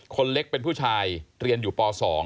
คนเล็กเป็นผู้ชายเรียนอยู่ป๒